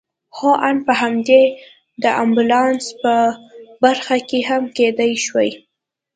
هو آن په همدې د امبولانس په برخه کې هم کېدای شوای.